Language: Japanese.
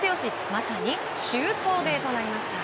まさに周東デーとなりました。